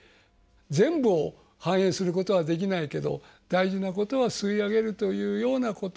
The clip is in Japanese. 全部を反映することはできないけど、大事なことは吸い上げるというようなこと。